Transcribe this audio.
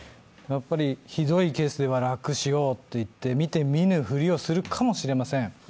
やっぱりひどいケースでは、楽しようといって見て見ぬふりをするかもしれせん。